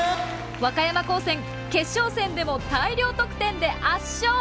和歌山高専決勝戦でも大量得点で圧勝！